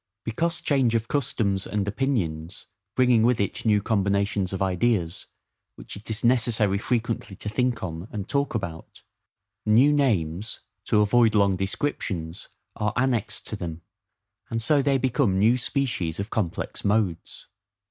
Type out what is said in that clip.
Because change of customs and opinions bringing with it new combinations of ideas, which it is necessary frequently to think on and talk about, new names, to avoid long descriptions, are annexed to them; and so they become new species of complex modes.